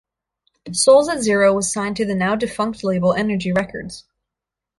Souls at Zero was signed to the now defunct label Energy Records.